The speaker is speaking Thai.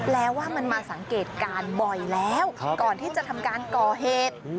แล้วว่ามันมาสังเกตการณ์บ่อยแล้วก่อนที่จะทำการก่อเหตุ